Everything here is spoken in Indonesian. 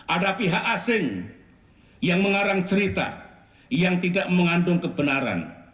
ada pihak asing yang mengarang cerita yang tidak mengandung kebenaran